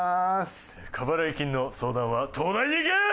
過払い金の相談は東大に行けー！